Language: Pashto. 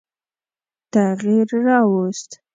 تغییر را ووست.